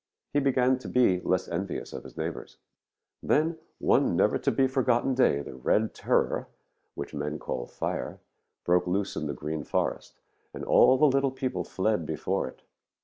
He began to be less envious of his neighbors. "Then one never to be forgotten day the Red Terror, which men call fire, broke loose in the Green Forest, and all the little people fled before it.